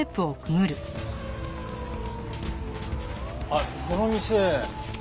あっこの店。